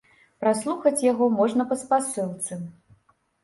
Праслухаць яго можна па спасылцы.